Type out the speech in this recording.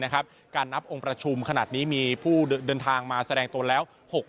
การนับองค์ประชุมขนาดนี้มีผู้เดินทางมาแสดงตนแล้ว